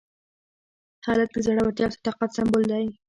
هلک د زړورتیا او صداقت سمبول دی.